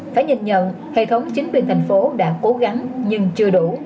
phải nhìn nhận hệ thống chính quyền thành phố đã cố gắng nhưng chưa đủ